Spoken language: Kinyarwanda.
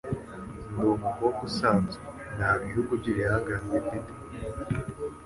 Ndi umukobwa usanzwe. Nta bihugu by'ibihangange mfite.